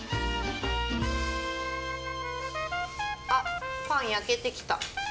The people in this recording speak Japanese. あっパン焼けてきた。